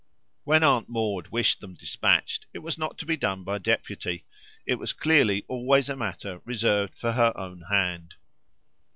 When Aunt Maud wished them dispatched it was not to be done by deputy; it was clearly always a matter reserved for her own hand.